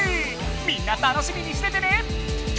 みんな楽しみにしててね！